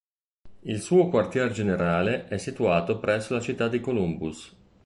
Il suo quartier generale è situato presso la citta di Columbus.